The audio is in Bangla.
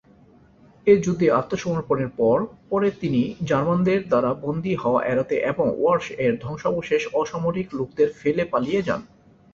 এ যুদ্ধে আত্মসমর্পণের পর পরে তিনি জার্মানদের দ্বারা বন্দী হওয়া এড়াতে এবং ওয়ারশ এর ধ্বংসাবশেষ অসামরিক লোকদের ফেলে পালিয়ে যান।